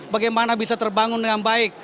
bagaimana bisa terbangun dengan baik